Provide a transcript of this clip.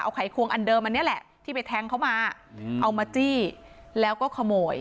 ไขควงอันเดิมอันนี้แหละที่ไปแทงเขามาเอามาจี้แล้วก็ขโมย